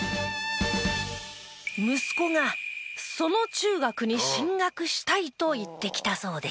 息子が「その中学に進学したい」と言ってきたそうです。